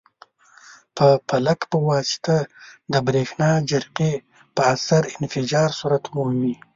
په پلک په واسطه د برېښنا جرقې په اثر انفجار صورت مومي.